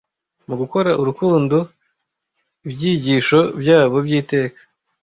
mugukora urukundo ibyigisho byabo by'iteka